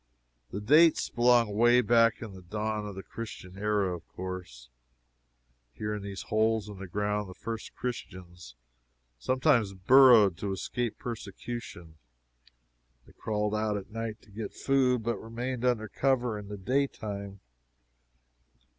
The dates belong away back in the dawn of the Christian era, of course. Here, in these holes in the ground, the first Christians sometimes burrowed to escape persecution. They crawled out at night to get food, but remained under cover in the day time.